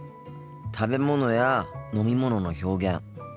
食べ物や飲み物の表現